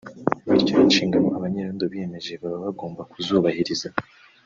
bityo inshingano abanyerondo biyemeje baba bagomba kuzubahiriza